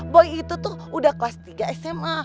boy itu tuh udah kelas tiga sma